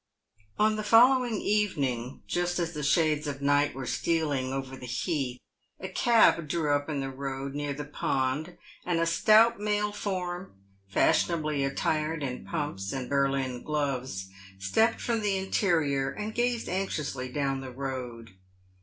On the following evening, just as the shades of night were stealing over the Heath, a cab drew up in the road near the pond, and a stout male form, fashionably attired in pumps and Berlin gloves, stepped from the interior, and gazed anxiously down the road.